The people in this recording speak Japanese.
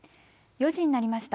４時になりました。